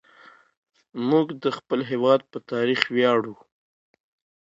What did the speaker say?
موږ د خپل هېواد په تاريخ وياړو.